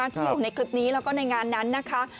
ที่อยู่ในคลิปนี้แล้วก็ในงานนั้นนะคะ